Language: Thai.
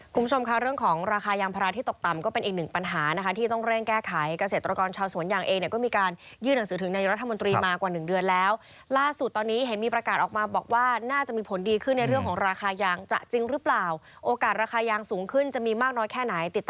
คุณผู้ชมค่ะเรื่องของราคายางภาระที่ตกต่ำก็เป็นอีกหนึ่งปัญหานะคะที่ต้องเร่งแก้ไขเกษตรกรชาวสวนยางเองเนี่ยก็มีการยื่นหนังสือถึงนายกรัฐมนตรีมากว่าหนึ่งเดือนแล้วล่าสุดตอนนี้เห็นมีประกาศออกมาบอกว่าน่าจะมีผลดีขึ้นในเรื่องของราคายางจะจริงหรือเปล่าโอกาสราคายางสูงขึ้นจะมีมากน้อยแค่ไหนติดต